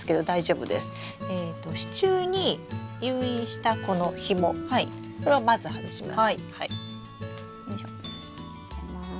支柱に誘引したこのひもこれをまず外します。